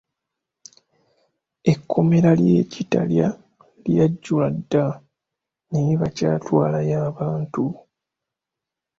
Ekkomera ly'e Kitalya lyajjula dda naye bakyatwalayo abantu.